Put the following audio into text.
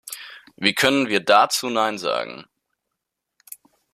Wie können wir dazu nein sagen?